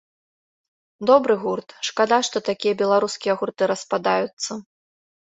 Добры гурт, шкада, што такія беларускія гурты распадаюцца.